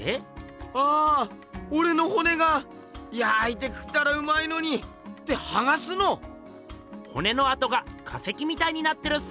あぁオレのほねがやいて食ったらうまいのに！ってはがすの⁉ほねのあとがかせきみたいになってるっす！